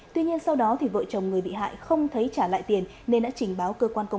tuy nhiên sau đó vợ chồng người bị hại không thấy trả lại tiền nên đã trình báo cơ quan công an